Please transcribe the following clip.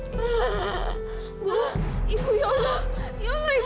ibu ibu ya allah